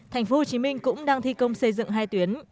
tp hcm cũng đang thi công xây dựng hai tuyến